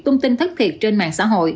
tôn tin thất thiệt trên mạng xã hội